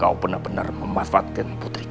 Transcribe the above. kau benar benar memanfaatkan putriku